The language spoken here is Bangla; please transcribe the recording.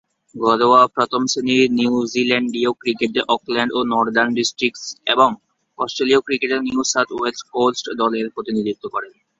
ঘরোয়া প্রথম-শ্রেণীর নিউজিল্যান্ডীয় ক্রিকেটে অকল্যান্ড ও নর্দার্ন ডিস্ট্রিক্টস এবং অস্ট্রেলীয় ক্রিকেটে নিউ সাউথ ওয়েলস কোল্টস দলের প্রতিনিধিত্ব করেন।